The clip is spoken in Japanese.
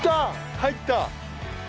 入った！